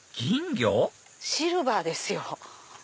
シルバーですよ。